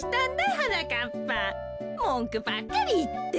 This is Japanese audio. はなかっぱもんくばっかりいって。